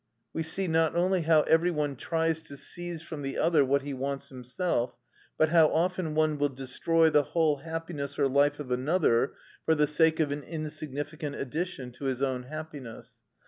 We see not only how every one tries to seize from the other what he wants himself, but how often one will destroy the whole happiness or life of another for the sake of an insignificant addition to his own happiness.